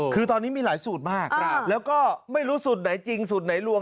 คือตอนนี้มีหลายสูตรมากแล้วก็ไม่รู้สูตรไหนจริงสูตรไหนลวง